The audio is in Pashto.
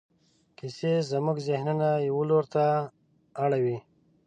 کیسې زموږ ذهنونه یوه لور ته اړوي.